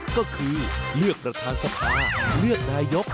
ก็คือเลือกรัฐศัพท์เลือกนายก